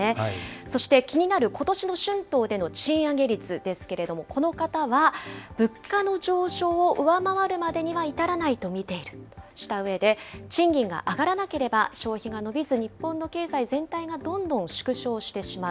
そして気になることしの春闘での賃上げ率ですけれども、この方は、物価の上昇を上回るまでには至らないと見ているとしたうえで、賃金が上がらなければ、消費が伸びず、日本の経済全体がどんどん縮小してしまう。